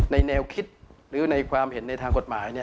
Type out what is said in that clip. แนวคิดหรือในความเห็นในทางกฎหมาย